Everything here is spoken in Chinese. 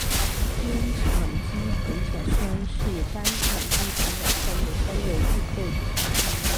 间羟基苯甲酸是单羟基苯甲酸的三种异构体之一。